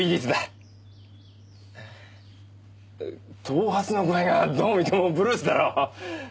頭髪の具合がどう見てもブルースだろ。